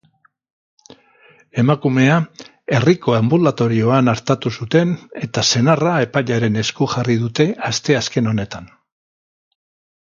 Emakumea herriko anbulatorioan artatu zuten eta senarra epailearen esku jarri dute asteazken honetan.